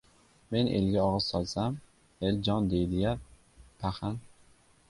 Men elga og‘iz solsam, el jon deydi-ya, paxan?